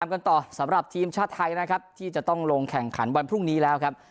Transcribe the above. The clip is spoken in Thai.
กันต่อสำหรับทีมชาติไทยนะครับที่จะต้องลงแข่งขันวันพรุ่งนี้แล้วครับ